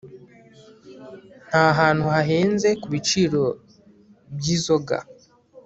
ntahantu hahenze kubiciro byizoga